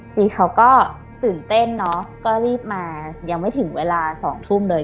จีเขาก็ตื่นเต้นเนอะก็รีบมายังไม่ถึงเวลา๒ทุ่มเลย